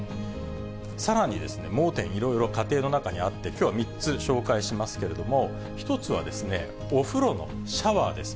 さらにですね、盲点いろいろ家庭の中にあって、きょうは３つ、紹介しますけれども、一つはお風呂のシャワーです。